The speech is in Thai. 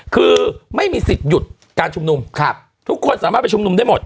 คือไม่มีสิทธิ์หยุดการชุมนุมทุกคนสามารถไปชุมนุมได้หมด